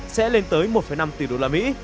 sẽ lên tới một năm tỷ đô la mỹ